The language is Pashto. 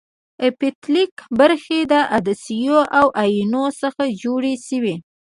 اپټیکل برخې د عدسیو او اینو څخه جوړې شوې.